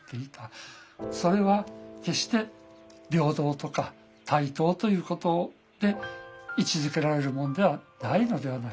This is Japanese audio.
それは決して平等とか対等ということで位置づけられるものではないのではないか。